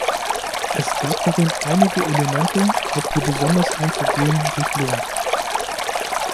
Es gab darin einige Elemente, auf die besonders einzugehen sich lohnt.